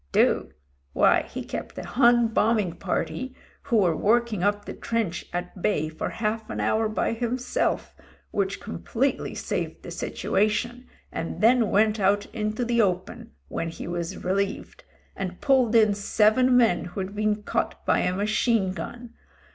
"Do ? Why he kept a Hun bombing party who were working up the trench at bay for half an hour by him self, which completely saved the situation, and then went out into the open, when he was relieved, and pulled in seven men who'd been caught by a machine gun.